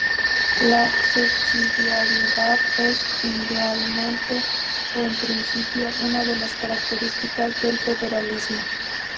La subsidiariedad es, idealmente o en principio, una de las características del federalismo.